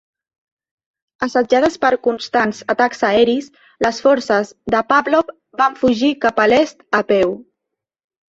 Assetjades per constants atacs aeris, les forces de Pavlov van fugir cap a l'est a peu.